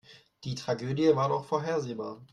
Die Tragödie war doch vorhersehbar.